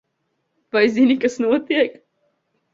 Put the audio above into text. Vai zini, kas notiek?